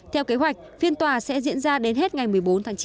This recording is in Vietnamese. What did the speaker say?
theo kế hoạch phiên tòa sẽ diễn ra đến hết ngày một mươi bốn tháng chín